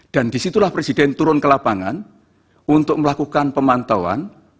dan disitulah presiden turun ke lapangan untuk melakukan pemantauan